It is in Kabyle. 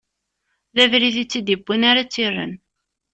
D abrid i tt-id-iwwin ara tt-irren.